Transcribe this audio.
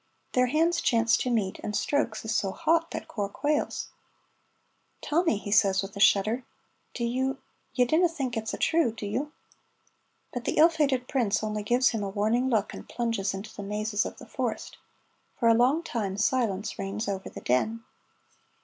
Their hands chance to meet, and Stroke's is so hot that Corp quails. "Tommy," he says, with a shudder, "do you you dinna think it's a' true, do you?" But the ill fated prince only gives him a warning look and plunges into the mazes of the forest. For a long time silence reigns over the Den.